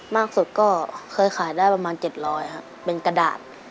มากสุดก็เคยขายได้ประมาณ๗๐๐ครับเป็นกระดาษ